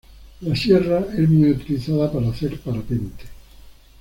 La sierra es muy utilizada para hacer parapente.